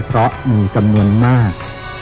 เพราะมีจำนวนมาก